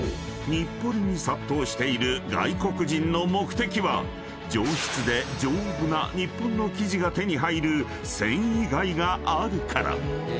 日暮里に殺到している外国人の目的は上質で丈夫な日本の生地が手に入る繊維街があるから］